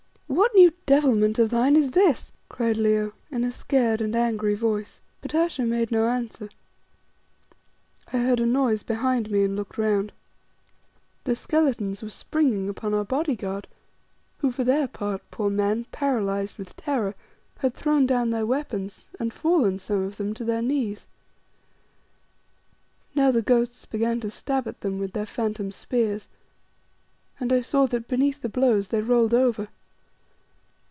"What new devilment of thine is this?" cried Leo in a scared and angry voice. But Ayesha made no answer. I heard a noise behind me and looked round. The skeletons were springing upon our body guard, who for their part, poor men, paralysed with terror, had thrown down their weapons and fallen, some of them, to their knees. Now the ghosts began to stab at them with their phantom spears, and I saw that beneath the blows they rolled over.